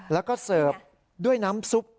แล้วก็เสิร์ฟด้วยน้ำซุป